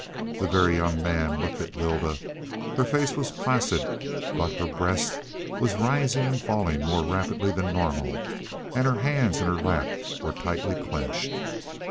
The Very Young Man looked at Lylda. Her face was placid, but her breast was rising and falling more rapidly than normal, and her hands in her lap were tightly clenched.